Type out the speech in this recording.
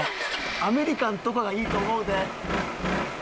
アメリカンとかがいいと思うで。